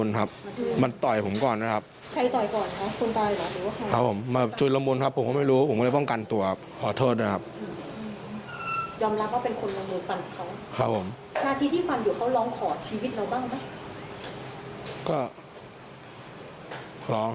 แล้วทำไมลองหยุดหรือปล่อย